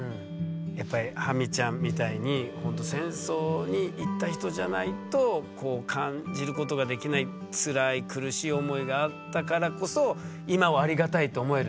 やっぱりハミちゃんみたいにほんと戦争に行った人じゃないとこう感じることができないつらい苦しい思いがあったからこそ今をありがたいと思えるっていうね。